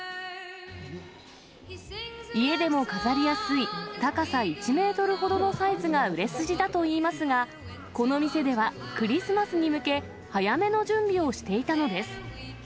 家でも飾りやすい、高さ１メートルほどのサイズが売れ筋だといいますが、この店ではクリスマスに向け、早めの準備をしていたのです。